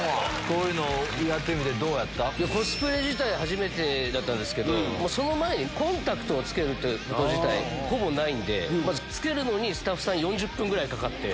コスプレ自体初めてだったんですけどその前にコンタクト着けること自体ほぼないんで着けるのにスタッフさん４０分ぐらいかかって。